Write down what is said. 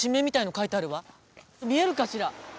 見えるかしら？